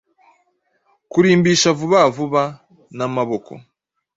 kurimbisha vuba vuba namaboko-